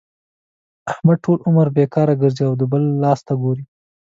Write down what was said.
احمد ټول عمر بېکاره ګرځي او د بل لاس ته ګوري.